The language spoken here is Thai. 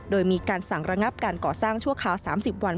โดยมีการสั่งระงับการก่อสร้างชั่วคราว๓๐วัน